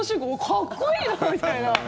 かっこいいなみたいな。